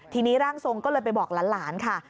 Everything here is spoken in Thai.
ทีนี้ร่างทรงก็เลยไปบอกหลานค่ะ